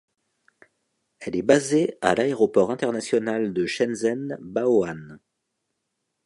Elle est basée à l'aéroport international de Shenzhen Bao'an.